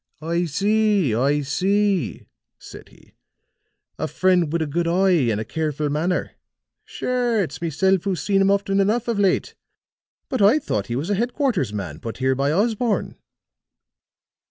"I see, I see," said he. "A friend wid a good eye and a careful manner. Sure, it's meself who's seen him often enough of late; but I thought he was a headquarters man put here by Osborne."